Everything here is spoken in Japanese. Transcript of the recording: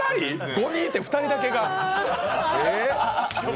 ５人いて２人だけ。